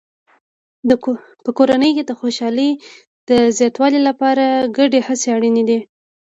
په کورنۍ کې د خوشحالۍ د زیاتولو لپاره ګډې هڅې اړینې دي.